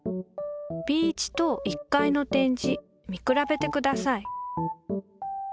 Ｂ１と１階の点字見比べてください